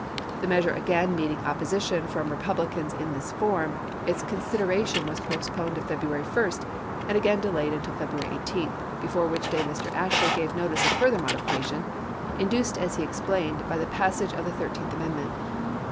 The measure again meeting opposition from Republicans in this form, its consideration was postponed to February 1, pampiiiet. and again delayed until February 18, before which day Mr. Ashley gave notice of further modification, induced as he explained by the passage of the Thirteenth Amendment.